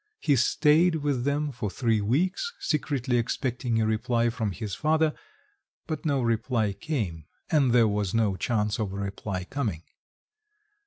He stayed with them for three weeks, secretly expecting a reply from his father; but no reply came and there was no chance of a reply coming.